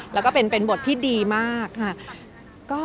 แล้วก็เป็นบทที่ดีมากค่ะ